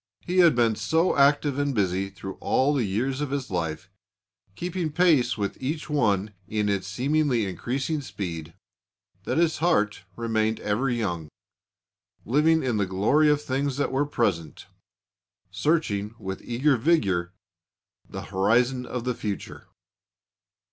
He had been so active and busy through all the years of his life, keeping pace with each one in its seemingly increasing speed, that his heart remained ever young, living in the glory of things that were present, searching with eager vigour the horizon of the future.